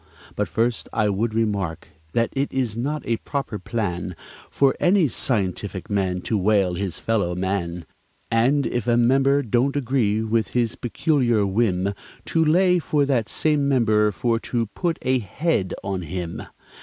But first I would remark, that it is not a proper plan For any scientific man to whale his fellow man, And, if a member don't agree with his peculiar whim, To lay for that same member for to "put a head" on him.